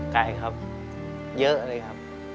ไก่ครับเยอะเลยครับ